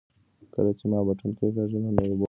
کله چې ما بټن کېکاږله نو روبوټ په حرکت پیل وکړ.